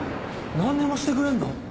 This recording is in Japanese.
何でもしてくれんの？